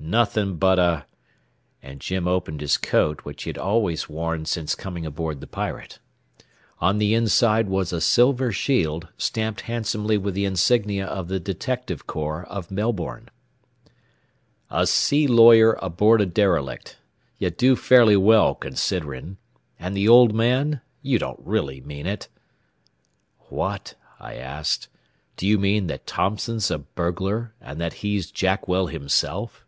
"Nothing but a " and Jim opened his coat which he had always worn since coming aboard the Pirate. On the inside was a silver shield stamped handsomely with the insignia of the detective corps of Melbourne. "A sea lawyer aboard a derelict. Ye do fairly well, considerin'. An' th' old man? You don't really mean it?" "What?" I asked; "do you mean that Thompson's a burglar; and that he's Jackwell himself?"